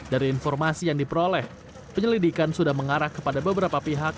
dari informasi yang diperoleh penyelidikan sudah mengarah kepada beberapa pihak